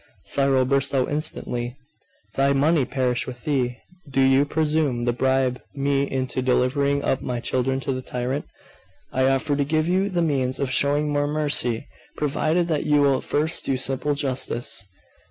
Cyril burst out instantly 'Thy money perish with thee! Do you presume to bribe me into delivering up my children to the tyrant?' 'I offer to give you the means of showing more mercy, provided that you will first do simple justice.